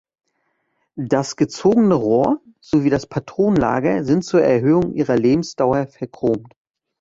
Das gezogene Rohr sowie das Patronenlager sind zur Erhöhung ihrer Lebensdauer verchromt.